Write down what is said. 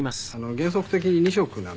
原則的に２色なんですね